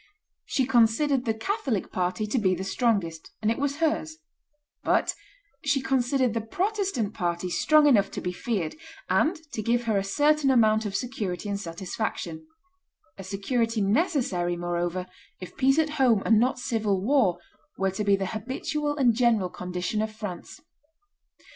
She considered the Catholic party to be the strongest, and it was hers; but she considered the Protestant party strong enough to be feared, and to give her a certain amount of security and satisfaction: a security necessary, moreover, if peace at home, and not civil war, were to be the habitual and general condition of France.